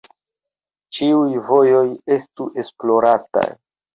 Ĉiuj vojoj estu esplorataj.